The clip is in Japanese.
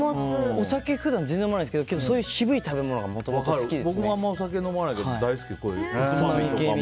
お酒普段全然飲まないんですけどけど、そういう渋い食べ物がもともと好きですね。